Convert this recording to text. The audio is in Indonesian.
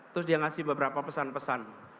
terus dia ngasih beberapa pesan pesan